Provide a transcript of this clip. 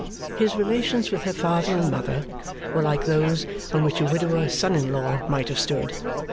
His relations with her father and mother were like those on which a widower son in law might have stood.